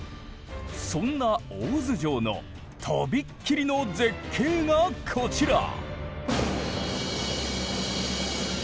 そんな大洲城のとびっきりの絶景がこちら！